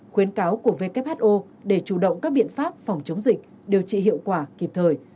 khuyến cáo của who để chủ động các biện pháp phòng chống dịch điều trị hiệu quả kịp thời